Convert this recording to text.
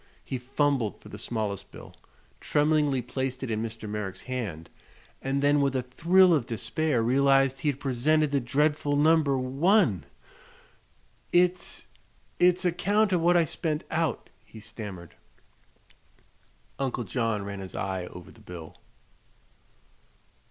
He fumbled for the smallest bill, tremblingly placed it in Mr. Merrick's hand, and then with a thrill of despair realized he had presented the dreadful No. 1! "It's it's a 'count of what I spent out," he stammered. Uncle John ran his eye over the bill.